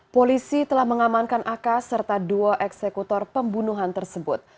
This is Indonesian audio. polisi telah mengamankan ak serta dua eksekutor pembunuhan tersebut